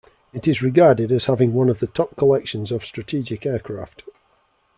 It is regarded as having one of the top collections of strategic aircraft.